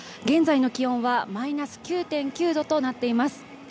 現在の気温はマイナス９．９度となっています。